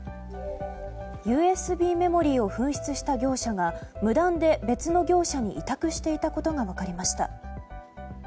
ＵＳＢメモリーを紛失した業者が無断で別の業者に委託していたことが分かりました。